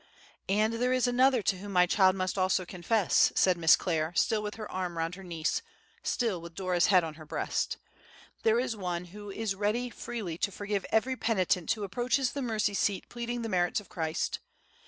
"And there is Another to whom my child must also confess," said Miss Clare, still with her arm round her niece, still with Dora's head on her breast; "there is One who is ready freely to forgive every penitent who approaches the Mercy seat pleading the merits of Christ.